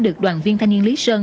được đoàn viên thanh niên lý sơn